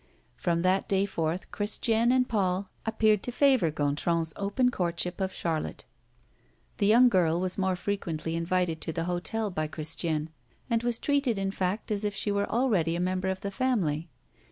From that day forth Christiane and Paul appeared to favor Gontran's open courtship of Charlotte. The young girl was more frequently invited to the hotel by Christiane, and was treated in fact as if she were already a member of the family.